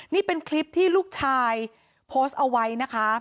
นี่เป็นคลิปที่ลูกชายโพสต์เอาไว้นะคะ